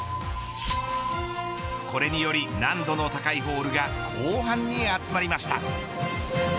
これにより、難度の高いホールが後半に集まりました。